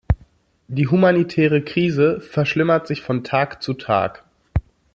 Die humanitäre Krise verschlimmert sich von Tag zu Tag.